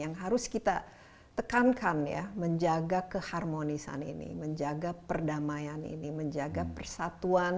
yang harus kita tekankan ya menjaga keharmonisan ini menjaga perdamaian ini menjaga persatuan